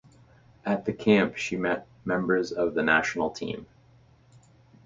At the camp she met members of the national team.